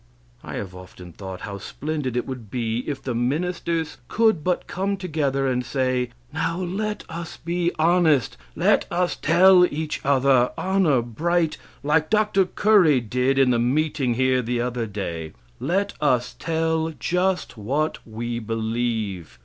I have often thought how splendid it would be if the ministers could but come together and say: "Now let us be honest. Let us tell each other, honor bright like Dr. Currie did in the meeting here the other day let us tell just what we believe."